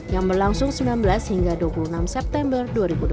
yang berlangsung sembilan belas hingga dua puluh enam september dua ribu dua puluh